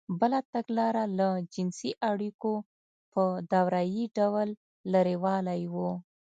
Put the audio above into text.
بله تګلاره له جنسـي اړیکو په دورهیي ډول لرېوالی و.